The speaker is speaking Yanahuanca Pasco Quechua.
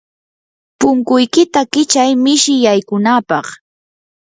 punkuykita kichay mishi yaykunapaq.